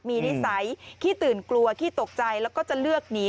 มีนิสัยขี้ตื่นกลัวขี้ตกใจแล้วก็จะเลือกหนี